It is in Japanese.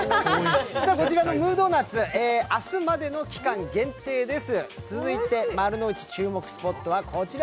こちらのムードーナツ、明日までの期間限定です。